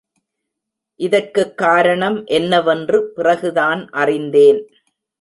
இதற்குக் காரணம் என்னவென்று பிறகுதான் அறிந்தேன்.